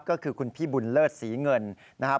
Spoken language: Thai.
ก็คือคุณพี่บุญเลิศศรีเงินนะครับ